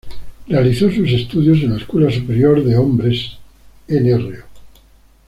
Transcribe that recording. Realizó sus estudios en la Escuela Superior de Hombres Nro.